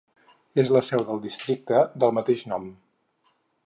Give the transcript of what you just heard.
És la seu del districte del mateix nom.